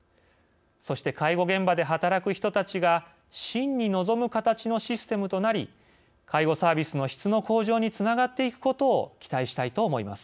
そして、介護現場で働く人たちが真に望む形のシステムとなり介護サービスの質の向上につながっていくことを期待したいと思います。